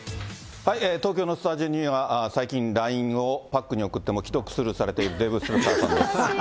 東京のスタジオには、最近ＬＩＮＥをパックンに送っても既読スルーされているデーブ・スペクターさんです。